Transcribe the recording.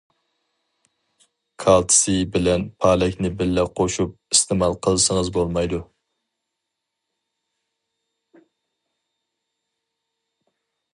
كالتسىي بىلەن پالەكنى بىللە قوشۇپ ئىستېمال قىلسىڭىز بولمايدۇ!